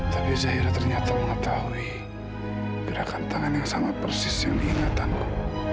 tapi zahira ternyata mengetahui gerakan tangan yang sangat persis yang diingatanku